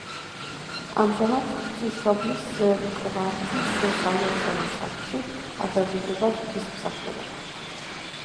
ამჟამად ღვთისმშობლის კვართის სამლოცველო სახლში აღევლინება ღვთისმსახურება.